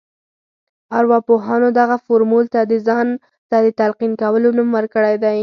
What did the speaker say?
ارواپوهانو دغه فورمول ته د ځان ته د تلقين کولو نوم ورکړی دی.